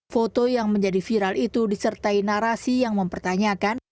foto yang menjadi viral itu disertai narasi yang mempertanyakan